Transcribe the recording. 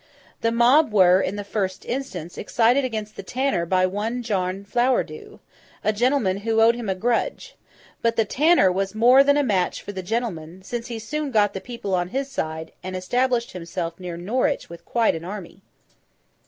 The mob were, in the first instance, excited against the tanner by one John Flowerdew, a gentleman who owed him a grudge: but the tanner was more than a match for the gentleman, since he soon got the people on his side, and established himself near Norwich with quite an army.